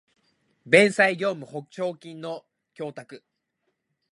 弁済業務保証金の供託